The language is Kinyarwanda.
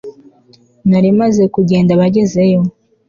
Nari maze kugenda bagezeyo